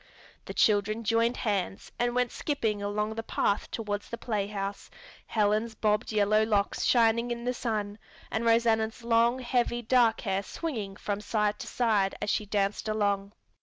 The children joined hands and went skipping along the path toward the playhouse, Helen's bobbed yellow locks shining in the sun and Rosanna's long, heavy, dark hair swinging from side to side as she danced along.